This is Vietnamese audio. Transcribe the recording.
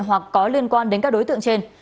hoặc có liên quan đến các đối tượng trên